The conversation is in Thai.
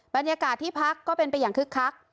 บรรยากาศที่พักก็เป็นไปอย่างคึกคัก